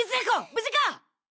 無事か！？